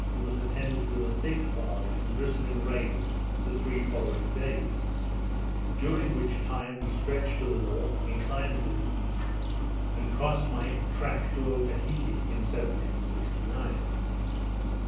and was attended with a thick fog and drizzling rain the three following days, during which time we stretched to the north, inclining to the east, and crossed my track to Otaheite in 1769.